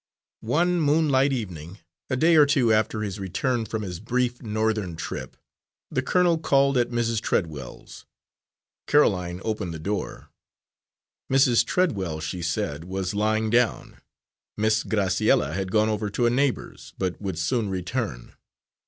One moonlight evening, a day or two after his return from this brief Northern trip, the colonel called at Mrs. Treadwells'. Caroline opened the door. Mrs. Treadwell, she said, was lying down. Miss Graciella had gone over to a neighbour's, but would soon return.